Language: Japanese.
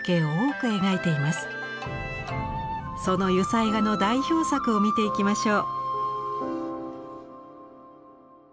その油彩画の代表作を見ていきましょう。